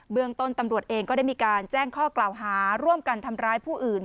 เมืองต้นตำรวจเองก็ได้มีการแจ้งข้อกล่าวหาร่วมกันทำร้ายผู้อื่น